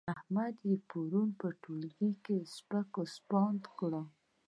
احمد يې پرون په ټولګي کې سپک سپاند کړ.